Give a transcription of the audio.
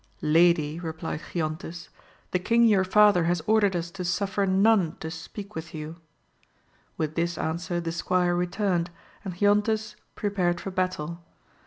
Lady, replied Giontes, the king your father has ordered us to suffer none to speak with you. With this answer the squire returned, and Giontes prepared for battle.